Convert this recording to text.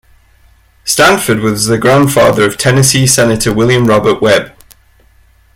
Stanford was the grandfather of Tennessee Senator William Robert Webb.